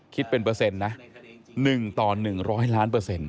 คิดเป็นเปอร์เซ็นต์นะ๑ต่อ๑๐๐ล้านเปอร์เซ็นต